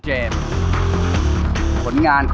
ยังเพราะความสำคัญ